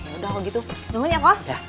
yaudah kalau gitu nuhun ya kos